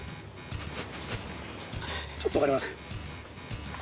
ちょっと分かります？